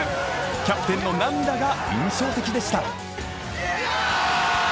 キャプテンの涙が印象的でした。